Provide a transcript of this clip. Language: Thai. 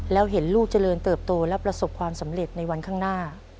แล้วเห็นลูกเจริญเติบโตและประสบความสำเร็จในวันข้างหน้า